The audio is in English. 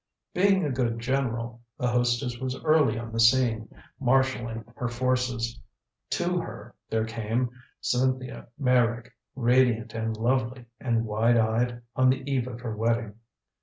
Being a good general, the hostess was early on the scene, marshaling her forces. TO her there came Cynthia Meyrick, radiant and lovely and wide eyed on the eve of her wedding.